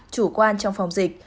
chủ quan trong phòng dịch